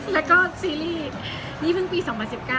แล้วก็ซีรีส์นี่เพิ่งปี๒๐๑๙